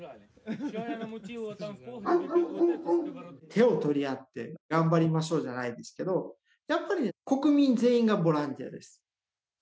手を取り合って頑張りましょうじゃないですけどやっぱり国民全員がボランティアです。